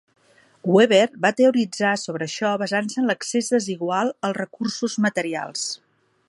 Weber va teoritzar sobre això basant-se en l'accés desigual als recursos materials.